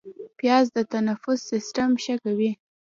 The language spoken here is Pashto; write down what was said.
پیاز د تنفس سیستم ښه کوي